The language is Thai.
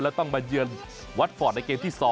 แล้วต้องมาเยือนวัดฟอร์ตในเกมที่๒